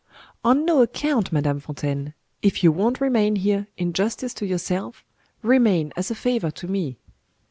"On no account, Madame Fontaine. If you won't remain here, in justice to yourself, remain as a favor to me."